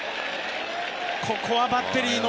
ここはバッテリーの。